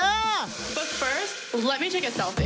แต่ก่อนหน้าให้ช่วยดูภาษา